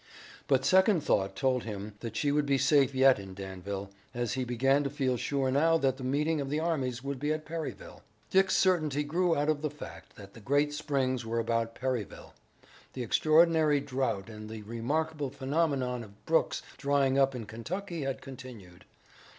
But second thought told him that she would be safe yet in Danville, as he began to feel sure now that the meeting of the armies would be at Perryville. Dick's certainty grew out of the fact that the great springs were about Perryville. The extraordinary drouth and the remarkable phenomenon of brooks drying up in Kentucky had continued.